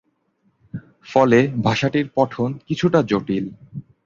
ফলে ভাষাটির পঠন কিছুটা জটিল।